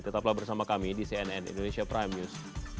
tetaplah bersama kami di cnn indonesia prime news